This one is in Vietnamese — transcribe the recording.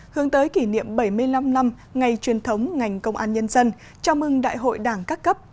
hướng tới kỷ niệm bảy mươi năm năm ngày truyền thống ngành công an nhân dân chào mừng đại hội đảng các cấp